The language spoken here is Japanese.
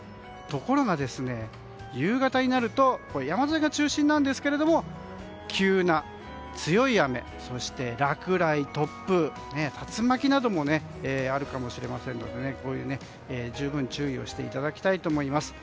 ところが、夕方になると山沿いが中心なんですが急な強い雨、そして落雷、突風竜巻などもあるかもしれませんので十分、注意をしていただきたいと思います。